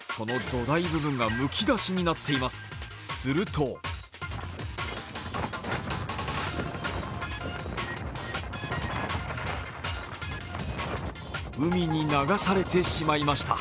その土台部分がむきだしになっています、すると海に流されてしまいました。